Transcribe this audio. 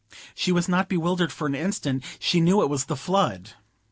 She was not bewildered for an instant; she knew it was the flood!